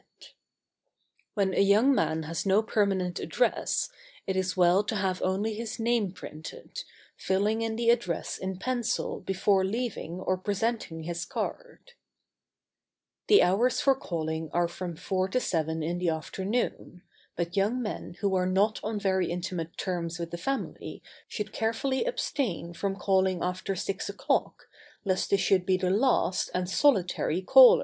[Sidenote: In the absence of a permanent address.] When a young man has no permanent address, it is well to have only his name printed, filling in the address in pencil before leaving or presenting his card. [Sidenote: The hours for calling.] The hours for calling are from four to seven in the afternoon, but young men who are not on very intimate terms with the family should carefully abstain from calling after six o'clock, lest they should be the last and solitary caller.